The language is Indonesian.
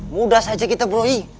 mudah saja kita burui